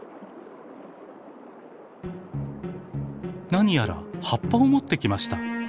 何やら葉っぱを持ってきました。